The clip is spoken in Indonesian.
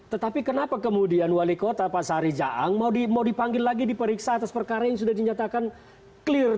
tetapi kenapa kemudian wali kota pak sari jaang mau dipanggil lagi diperiksa atas perkara yang sudah dinyatakan clear